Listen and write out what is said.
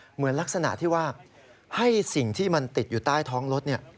เหมือนลักษณะที่ว่าให้สิ่งที่มันติดอยู่ใต้ท้องรถ